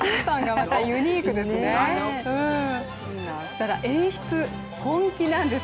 ただ、演出、本気なんです。